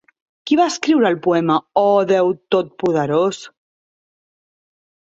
Qui va escriure el poema Oh Déu totpoderós?